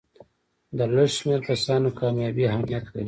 د لږ شمېر کسانو کامیابي اهمیت لري.